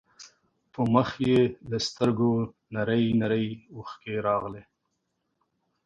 په مخ يې له سترګو نرۍ نرۍ اوښکې راغلې.